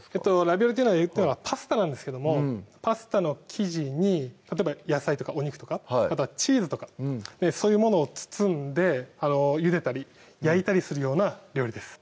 ラビオリというのは言ったらパスタなんですけどもパスタの生地に例えば野菜とかお肉とかあとはチーズとかそういうものを包んでゆでたり焼いたりするような料理です